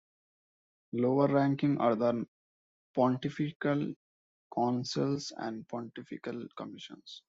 Lower-ranking are the pontifical councils and pontifical commissions.